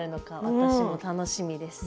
私も楽しみです。